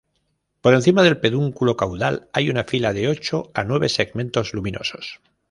Por encima del pedúnculo caudal hay una fila de ocho a nueve segmentos luminosos.